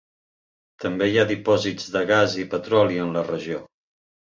També hi ha depòsits de gas i petroli en la regió.